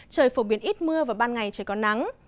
trời phổ biến ít mưa và ban ngày trời có nắng